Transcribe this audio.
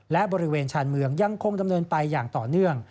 และบริเวณชานเมืองยังคงดำเนินไปอย่างต่อเนื่อง